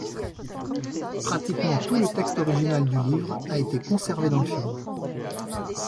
Pratiquement tout le texte original du livre a été conservé dans le film.